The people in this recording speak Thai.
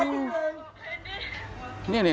เนี่ย